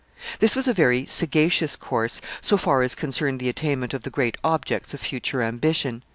This was a very sagacious course, so far as concerned the attainment of the great objects of future ambition.